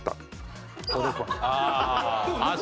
ああ。